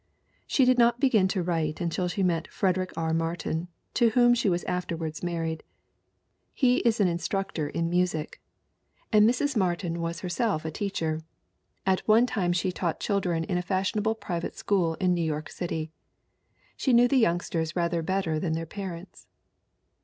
She did not begin to write until she met Frederick R. Martin, to whom she was afterward married. He is an instructor in music. And Mrs. 215 216 THE WOMEN WHO MAKE OUR NOVELS Martin was herself a teacher. At one time she taught children in a fashionable private school in New York City. She knew the youngsters rather better than their parents.